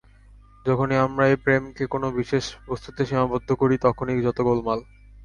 যখনই আমরা এই প্রেমকে কোন বিশেষ বস্তুতে সীমাবদ্ধ করি, তখনই যত গোলমাল।